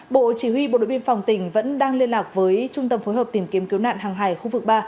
bộ chỉ huy bộ đội biên phòng tỉnh vẫn đang liên lạc với trung tâm phối hợp tìm kiếm cứu nạn hàng hải khu vực ba